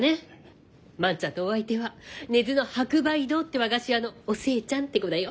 万ちゃんのお相手は根津の白梅堂って和菓子屋のお寿恵ちゃんって子だよ。